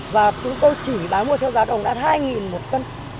và chúng tôi chỉ bán mua theo giá đồng đã hai một cân